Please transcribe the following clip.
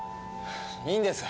いいんです。